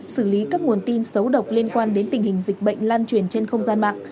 xử lý các nguồn tin xấu độc liên quan đến tình hình dịch bệnh lan truyền trên không gian mạng